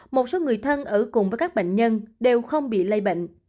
một số người thân ở cùng với các bệnh nhân đều không bị lây bệnh